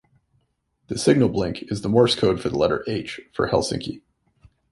The signal blink is the Morse code for the letter "H" for Helsinki.